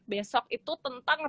besok itu tentang